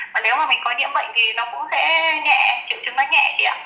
và nếu mà mình có nhiễm bệnh thì nó cũng sẽ nhẹ triệu chứng nó nhẹ chị ạ